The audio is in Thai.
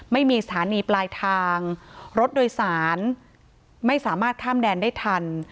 ไม่มีสถานีปลายทางรถโดยสารไม่สามารถข้ามแดนได้ทัน